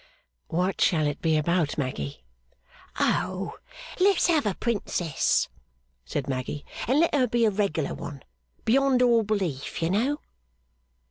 'What shall it be about, Maggy?' 'Oh, let's have a princess,' said Maggy, 'and let her be a reg'lar one. Beyond all belief, you know!